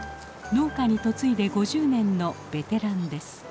農家に嫁いで５０年のベテランです。